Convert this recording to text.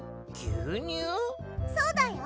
そうだよ。